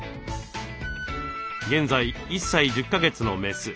現在１歳１０か月のメス。